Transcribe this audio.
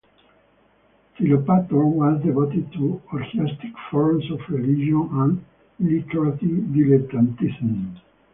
Philopator was devoted to orgiastic forms of religion and literary dilettantism.